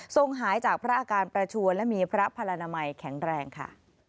หายจากพระอาการประชวนและมีพระพลนามัยแข็งแรงค่ะ